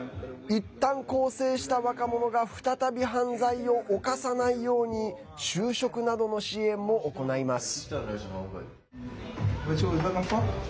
いったん更生した若者が再び犯罪を犯さないように就職などの支援も行います。